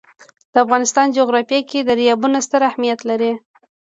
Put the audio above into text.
د افغانستان جغرافیه کې دریابونه ستر اهمیت لري.